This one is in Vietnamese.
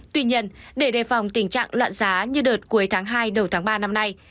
tuy nhiên để đề phòng tình trạng loạn giá như đợt cuối tháng hai đầu tháng ba năm nay